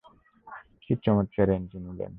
কি চমৎকার এন্ট্রি নিলেন!